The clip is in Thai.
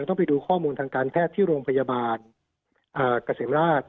ต้องไปดูข้อมูลทางการแพทย์ที่โรงพยาบาลเกษมราช